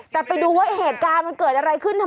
แต่ไปดูว่าเหตุการณ์มันเกิดอะไรขึ้น